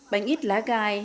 bánh ít lá gai